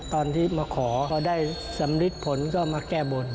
ตอนที่มาขอเขาได้สำริดผลก็มาแก้บน